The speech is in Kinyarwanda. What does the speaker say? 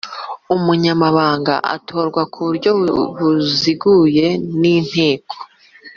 Umunyamabanga atorwa ku buryo buziguye n inteko